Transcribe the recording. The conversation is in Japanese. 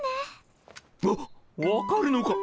わ分かるのか。